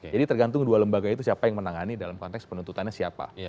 jadi tergantung dua lembaga itu siapa yang menangani dalam konteks penuntutannya siapa